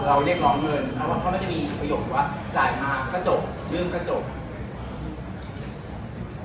เราเรียกมองเงินเขาจะไม่มีอีกประโยคว่าจ่ายมากก็จบนึ่งก็จบ